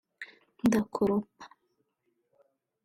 ndakoropa